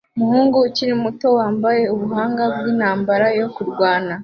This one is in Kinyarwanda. Umuhungu ukiri muto wambaye ubuhanga bwintambara yo kurwana